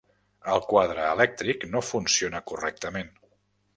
El quadre elèctric no funciona correctament.